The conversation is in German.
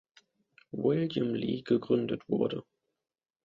William Lee gegründet wurde.